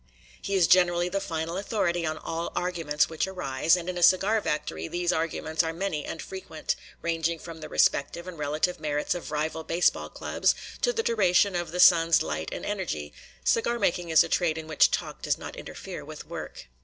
He is generally the final authority on all arguments which arise, and in a cigar factory these arguments are many and frequent, ranging from the respective and relative merits of rival baseball clubs to the duration of the sun's light and energy cigar making is a trade in which talk does not interfere with work.